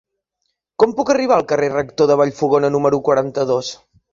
Com puc arribar al carrer del Rector de Vallfogona número quaranta-dos?